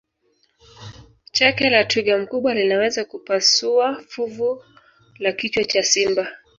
teke la twiga mkubwa linaweza kupasua fuvu la kichwa cha simba